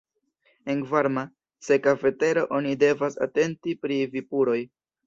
En varma, seka vetero oni devas atenti pri vipuroj.